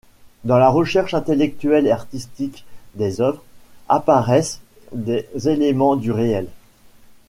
Dans la recherche intellectuelle et artistique des œuvres, apparaissent des éléments du réel.